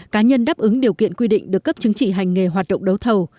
cá nhân đáp ứng điều kiện quy định được cấp chứng chỉ hành nghề hoạt động đấu thầu